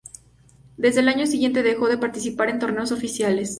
Desde el año siguiente dejó de participar en torneos oficiales.